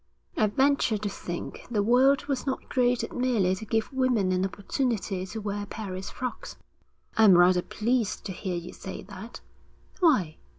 'I venture to think the world was not created merely to give women an opportunity to wear Paris frocks.' 'I'm rather pleased to hear you say that.' 'Why?'